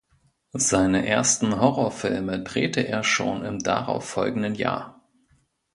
Seine ersten Horrorfilme drehte er schon im darauffolgenden Jahr.